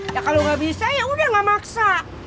ya kalo gak bisa yaudah gak maksa